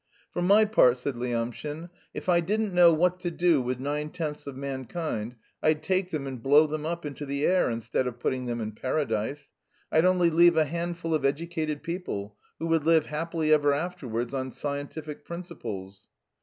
"For my part," said Lyamshin, "if I didn't know what to do with nine tenths of mankind, I'd take them and blow them up into the air instead of putting them in paradise. I'd only leave a handful of educated people, who would live happily ever afterwards on scientific principles."